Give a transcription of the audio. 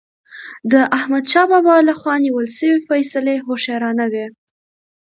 د احمدشاه بابا له خوا نیول سوي فيصلي هوښیارانه وي.